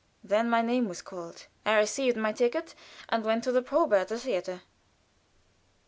Then my name was called out. I received my ticket, and went to the probe at the theater.